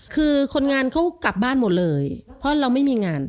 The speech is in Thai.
คือคนงานเขากลับบ้านหมดเลยเพราะเราไม่มีงาน